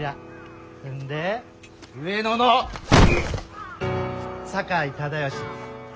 そんで上野の酒井忠尚。